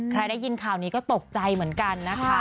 ได้ยินข่าวนี้ก็ตกใจเหมือนกันนะคะ